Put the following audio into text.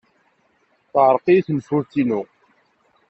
Teɛreq-iyi tenfult-inu.